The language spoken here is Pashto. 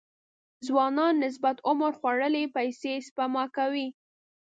ځوانانو نسبت عمر خوړلي پيسې سپما کوي.